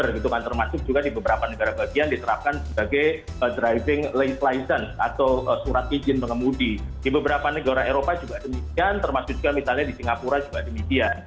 dan termasuknya misalnya di singapura juga demikian